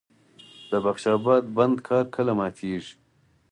د بخش اباد بند کار کله ماتیږي؟